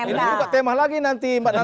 ini juga tema lagi nanti mbak nana